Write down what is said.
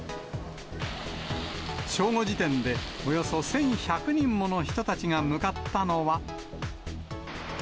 正午時点で、およそ１１００人もの人たちが向かったのは。